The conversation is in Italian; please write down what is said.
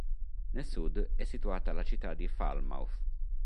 Nel sud è situata la città di Falmouth.